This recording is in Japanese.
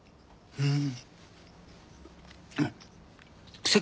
うん！